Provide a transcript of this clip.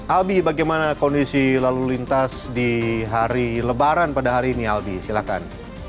albi bagaimana kondisi lalu lintas di hari lebaran pada hari ini albi silahkan